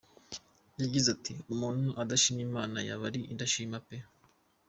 Yagize ati: "Umuntu adashimye Imana yaba ari indashima pe.